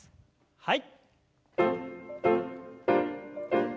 はい。